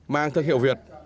mang thương hiệu việt